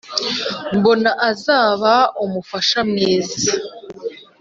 mbona azaba umufasha mwiza